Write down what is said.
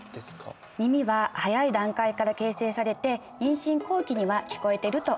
耳は早い段階から形成されて妊娠後期には聞こえてるといわれています。